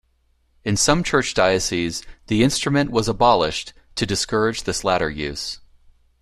In some Church dioceses the instrument was abolished to discourage this latter use.